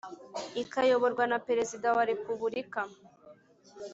ikayoborwa na perezida wa repubulika